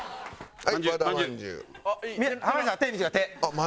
はい。